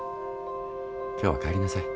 今日は帰りなさい。